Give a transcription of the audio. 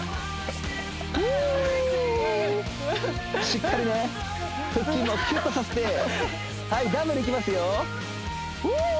しっかりね腹筋もキュッとさせてはいダブルいきますよ